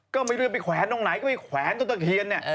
ก็ไม่เรียกว่าไปแขวนตรงไหนก็ไปแขวนตรงตะเขียนเนี่ย